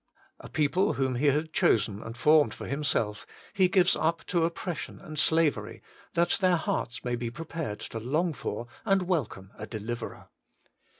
A people whom He had chosen and formed for Himself He gives up to oppression and slavery, that their hearts may be prepared to long for and welcome a Deli verer.